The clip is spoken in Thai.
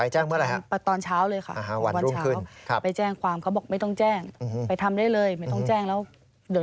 จเจมส์ไปแจ้งเมื่อไหร่ครับ